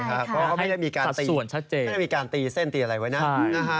เพราะไม่ได้มีการตีเส้นตีอะไรไว้นะ